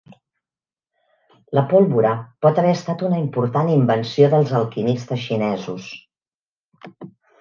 La pólvora pot haver estat una important invenció dels alquimistes xinesos.